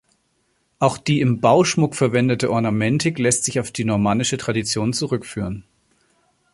Auch die im Bauschmuck verwendete Ornamentik lässt sich auf die normannische Tradition zurückführen.